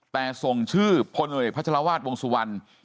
แต่ทรงชื่อพลเอกพระจรวาสวงศ์สุวรรณ